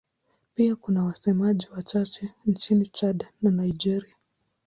Pia kuna wasemaji wachache nchini Chad na Nigeria.